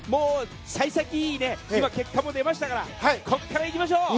幸先いい結果も出ましたからここからいきましょう！